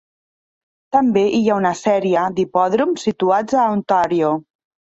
També hi ha una sèrie d'hipòdroms situats a Ontario.